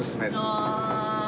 ああ。